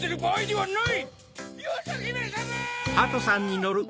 はい。